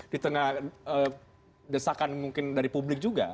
di tengah desakan mungkin dari publik juga